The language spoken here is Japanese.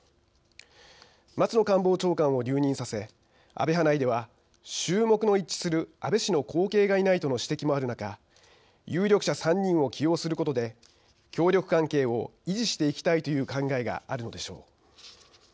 松野官房長官を留任させ安倍派内では「衆目の一致する安倍氏の後継がいない」との指摘もある中有力者３人を起用することで協力関係を維持していきたいという考えがあるのでしょう。